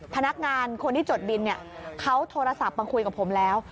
พนักงานคนที่จดบินเขาโทรศัพท์มาคุยกับผมแล้ว